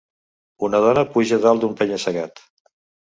Una dona puja dalt d'un penya-segat